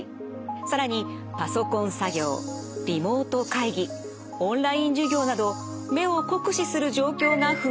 更にパソコン作業リモート会議オンライン授業など目を酷使する状況が増えています。